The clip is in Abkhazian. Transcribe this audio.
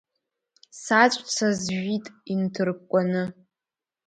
Саҵәца зжәит инҭыркәкәаны.